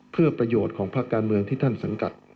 เพื่อประโยชน์ของภาคการเมืองที่ท่านสังกัด